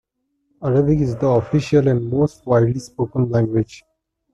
Arabic is the official, and most widely spoken, language.